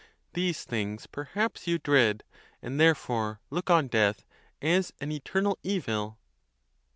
These things perhaps you dread, and therefore look on death as an eternal evil.